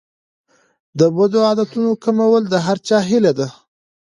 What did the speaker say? د بدو عادتونو کمول د هر چا هیله ده.